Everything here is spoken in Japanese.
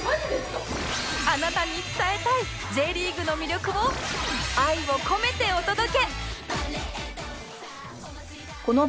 あなたに伝えたい Ｊ リーグの魅力を愛を込めてお届け！